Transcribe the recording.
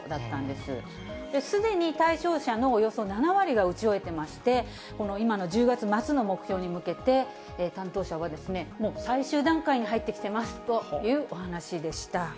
すでに対象者のおよそ７割が打ち終えてまして、今の１０月末の目標に向けて、担当者はもう最終段階に入ってきてますというお話でした。